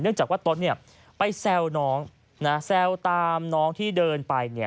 เนื่องจากว่าต้นไปแซวน้องแซวตามน้องที่เดินไป